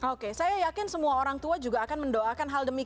oke saya yakin semua orang tua juga akan mendoakan hal demikian